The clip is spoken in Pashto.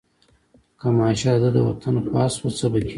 که ماشه د ده د وطن خوا شوه څه به کېږي.